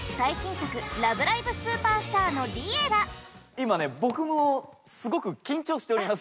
今ね僕もすごく緊張しております。